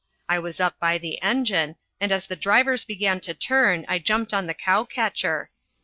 I was up by the engine, and as the drivers began to turn I jumped on the cow catcher.